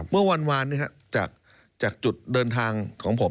เมื่อวานจากจุดเดินทางของผม